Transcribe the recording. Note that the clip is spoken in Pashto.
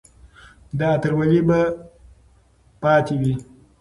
دا اتلولي به پاتې وي.